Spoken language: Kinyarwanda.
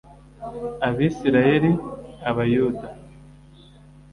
Abisirayeli ab Abayuda